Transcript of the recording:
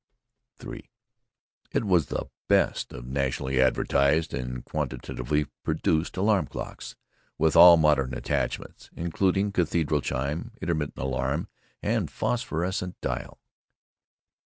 III It was the best of nationally advertised and quantitatively produced alarm clocks, with all modern attachments, including cathedral chime, intermittent alarm, and a phosphorescent dial.